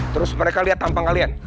terus mereka lihat tampang kalian